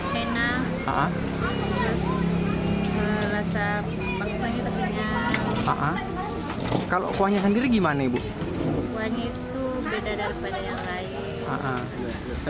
hai enak ah ah kalau kuahnya sendiri gimana ibu wajib beda daripada yang